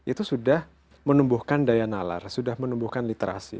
itu sudah menumbuhkan daya nalar sudah menumbuhkan literasi